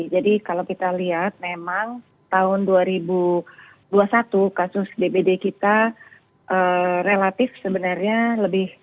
jadi kalau kita lihat memang tahun dua ribu dua puluh satu kasus dbd kita relatif sebenarnya lebih